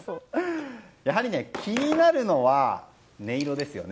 やはり気になるのは音色ですよね。